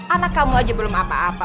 anak kamu aja belum apa apa